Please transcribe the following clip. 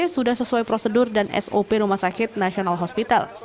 sudah sesuai prosedur dan sop rumah sakit nasional hospital